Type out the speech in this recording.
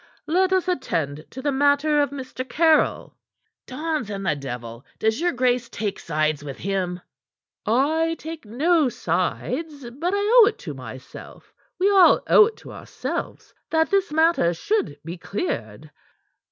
"Let us attend to the matter of Mr. Caryll." "Dons and the devil! Does your grace take sides with him?" "I take no sides. But I owe it to myself we all owe it to ourselves that this matter should be cleared."